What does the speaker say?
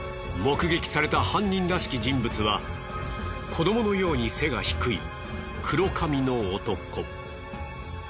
目撃された犯人らしき人物は子供のように背が低い黒髪の男。